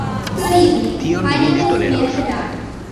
Tion mi ne toleros!